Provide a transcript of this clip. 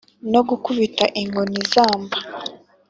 no gukubita inkoni izamba